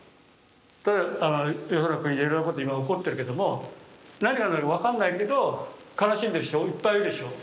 世の中いろいろなこと今起こってるけども何が何だか分かんないけど悲しんでる人いっぱいいるでしょ。